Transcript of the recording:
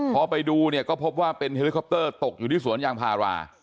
พอไปดูเนี่ยก็พบว่าเป็นเฮลิคอปเตอร์ตกอยู่ที่สวนยางพารา